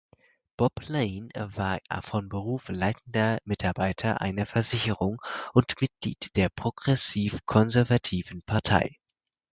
Bob Lane war von Beruf leitender Mitarbeiter einer Versicherung und Mitglied der Progressiv-konservativen Partei.